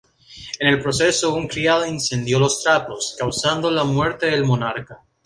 En el proceso un criado incendió los trapos, causando la muerte del monarca.